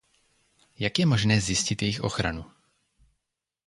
Jak je možné zjistit jejich ochranu?